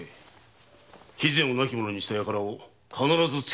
肥前を亡き者にした輩を必ず突きとめよ！